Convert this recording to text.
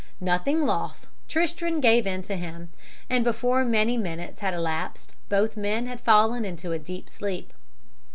"Nothing loth, Tristram gave in to him, and before many minutes had elapsed both men had fallen into a deep sleep.